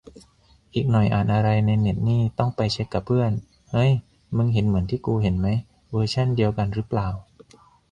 อีกหน่อยอ่านอะไรในเน็ตนี่ต้องไปเช็คกับเพื่อน เฮ้ย มึงเห็นเหมือนที่กูเห็นไหม เวอร์ชันเดียวกันรึเปล่า